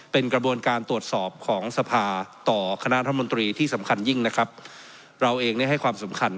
เป็นกระบวนการตรวจสอบของสภาต่อคณะรัฐมนตรีที่สำคัญยิ่งนะครับเราเองเนี่ยให้ความสำคัญ